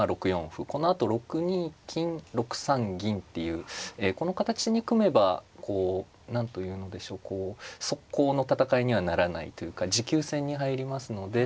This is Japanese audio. このあと６二金６三銀っていうこの形に組めばこう何というのでしょうこう速攻の戦いにはならないというか持久戦に入りますのでまあ